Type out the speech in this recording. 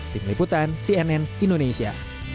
tim liputan cnn indonesia